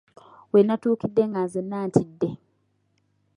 We natuukidde nga nzenna ntidde.